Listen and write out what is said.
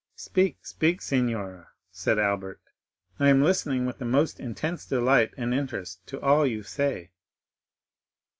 40068m "Speak, speak, signora," said Albert, "I am listening with the most intense delight and interest to all you say."